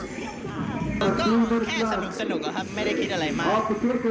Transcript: ก็แค่สนุกค่ะไม่ได้คิดอะไรมาก